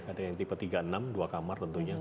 ada yang tipe tiga puluh enam dua kamar tentunya